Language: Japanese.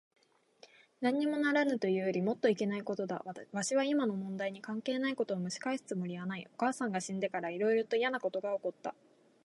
なんにもならぬというよりもっといけないことだ。わしは今の問題に関係ないことをむし返すつもりはない。お母さんが死んでから、いろいろといやなことが起った。